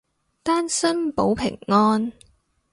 單身保平安